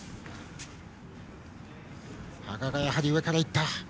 羽賀がやはり上からいった。